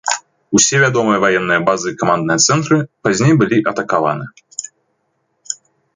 Усе вядомыя ваенныя базы і камандныя цэнтры пазней былі атакаваны.